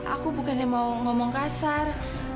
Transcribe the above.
aku bukannya mau ngomong kasar